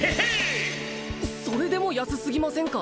それでも安すぎませんか？